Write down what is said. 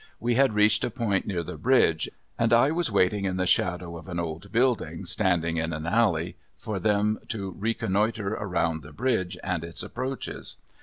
We had reached a point near the bridge, and I was waiting in the shadow of an old building standing in an alley for them to reconnoiter around the bridge and its approaches.